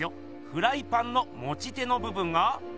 フライパンのもち手のぶぶんが。